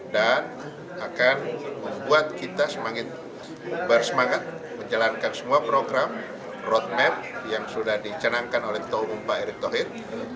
dan akan membuat kita bersemangat menjalankan semua program roadmap yang sudah dicanangkan oleh tau bumpa erick tohir